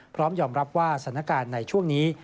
พร้อมยอมรับว่าสถานการณ์ในช่วงนี้